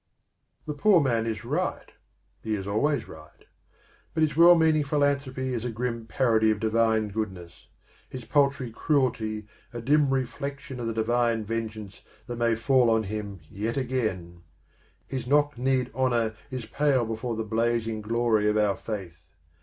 The poor man is right, he is always right. But his 4 6 PENTHEUS well meaning philanthropy is a grim parody of divine goodness; his paltry cruelty a dim reflection of the divine vengeance that may fall on him yet again; his knock kneed honour is pale before the blazing glory of our faith.